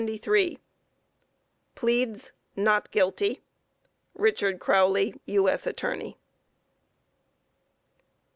Pleads not guilty. RICHARD CROWLEY, U.S. Attorney.